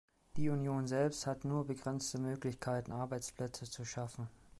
Die Union selbst hat nur begrenzte Möglichkeiten, Arbeitsplätze zu schaffen.